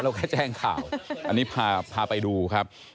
แค่แจ้งข่าวอันนี้พาไปดูครับ